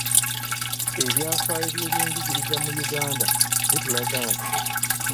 Ebyafaayo by’ebyenjigiriza mu Uganda bitulaga nti,